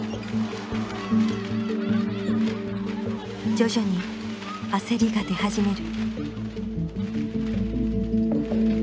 徐々に焦りが出始める。